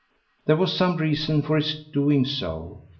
There was some reason for his doing so.